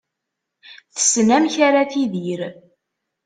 Tessen amek ara tidir.